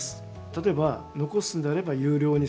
例えば残すのであれば有料にする。